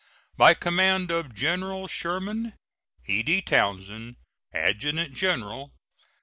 By command of General Sherman: E.D. TOWNSEND, Adjutant General.